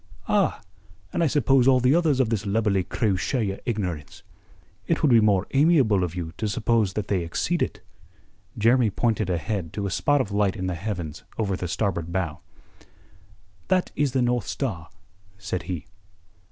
"Ah! And I suppose all the others of this lubberly crew share your ignorance." "It would be more amiable of you to suppose that they exceed it." Jeremy pointed ahead to a spot of light in the heavens over the starboard bow. "That is the North Star," said he.